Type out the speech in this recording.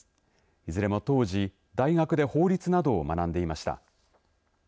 いずれも当時、大学で法律などを学んでいました。